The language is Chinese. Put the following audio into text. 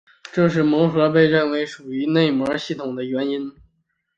这是核膜被认为属于内膜系统的原因。